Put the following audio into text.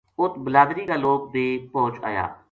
اُت بلادری کا لوک بے پوہچ آیا